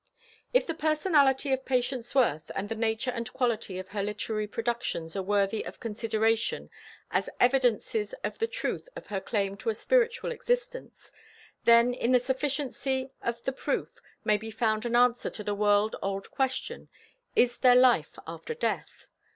If the personality of Patience Worth and the nature and quality of her literary productions are worthy of consideration as evidences of the truth of her claim to a spiritual existence, then in the sufficiency of the proof may be found an answer to the world old question: Is there a life after death?